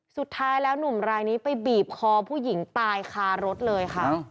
สุดท้ายแล้วหนุ่มรายนี้ไปบีบคอผู้หญิงตายคารถเลยค่ะ